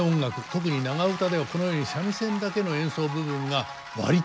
特に長唄ではこのように三味線だけの演奏部分が割とありましてですね